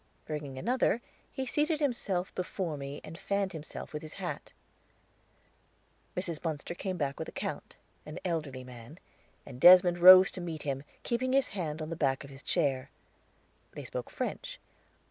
Bringing another, he seated himself before me and fanned himself with his hat. Mrs. Munster came back with the Count, an elderly man, and Desmond rose to meet him, keeping his hand on the back of his chair. They spoke French.